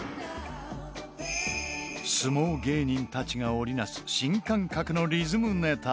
相撲芸人たちが織りなす新感覚のリズムネタ。